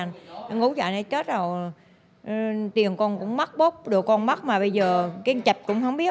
ngủ dạy nó chết rồi tiền con cũng mất bóp đồ con mất mà bây giờ cái chạp cũng không biết